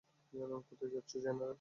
কোথায় যাচ্ছ, জেনারেল?